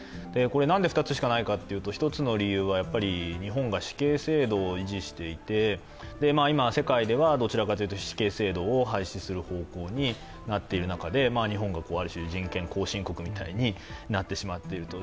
なんで２つしかないかというと１つの理由は日本が死刑制度を維持していて今、世界ではどちらかというと死刑制度を廃止する方向になっている中で日本がある種、人権後進国みたいになっていると。